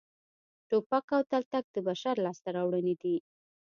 ټوپک او تلتک د بشر لاسته راوړنې دي